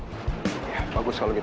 ya bagus kalau begitu